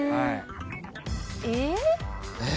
えっ？